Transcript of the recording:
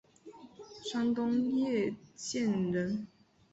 山东掖县人。